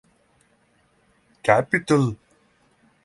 Capitol.